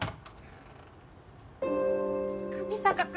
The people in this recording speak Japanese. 上坂君！